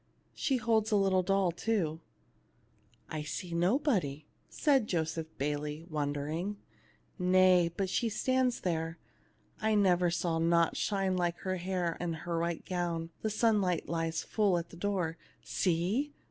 She holds a little doll, too/' 253 THE LITTLE MAID AT THE DOOR " I see nobody," said Joseph Bayley, wonder ingly. "Nay, but she stands there. I never saw aught shine like her hair and her white gown ; the sunlight lies full in the door. See